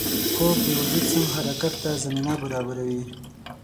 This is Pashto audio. خوب د وجود سم حرکت ته زمینه برابروي